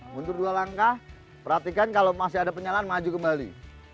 mundur dua langkah perhatikan kalau masih ada penyalahan maju kembali